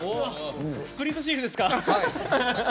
プリントシールですか。